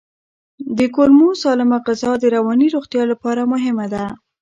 د کولمو سالمه غذا د رواني روغتیا لپاره مهمه ده.